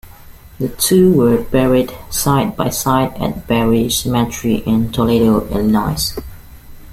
The two were buried side by side at Berry Cemetery in Toledo, Illinois.